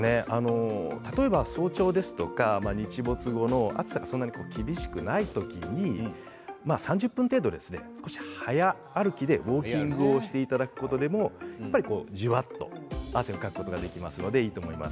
例えば早朝ですとか日没後の暑さがそんなに厳しくない時に３０分程度少し早歩きでウォーキングをしていただくことでもじわっと汗をかくことができます